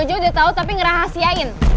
om jojo udah tau tapi ngerahasiain